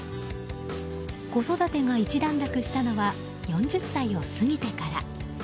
子育てが一段落したのは４０歳を過ぎてから。